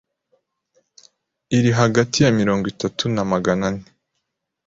iri hagati ya mirongo itatu na Magana ane